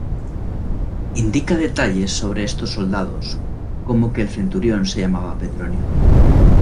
Indica detalles sobre estos soldados, como que el centurión se llamaba Petronio.